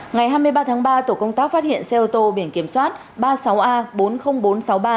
ngày hai mươi ba tháng ba tổ công tác phát hiện xe ô tô biển kiểm soát ba mươi sáu a bốn mươi nghìn bốn trăm sáu mươi ba